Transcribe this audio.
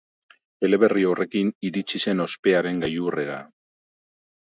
Eleberri horrekin iritsi zen ospearen gailurrera.